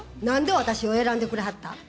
何で私を選んでくれはった？